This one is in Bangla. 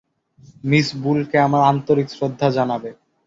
মিস বুলকে আমার আন্তরিক শ্রদ্ধা জানাবে।